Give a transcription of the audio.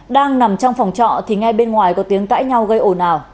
đang nằm trong phòng trọ thì ngay bên ngoài có tiếng cãi nhau gây ồn ào